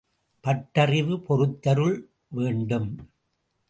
பட்டறிவு பொறுத்தருள் வேண்டும்.